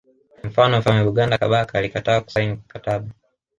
Mfano mfalme Buganda Kabaka alikataa kusaini mkataba